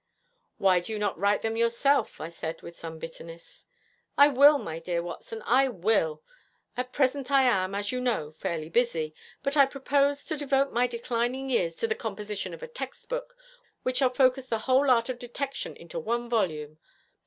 'Why do you not write them yourself?' I said, with some bitterness. 'I will, my dear Watson, I will. At present I am, as you know, fairly busy, but I propose to devote my declining years to the composition of a textbook, which shall focus the whole art of detection into one volume.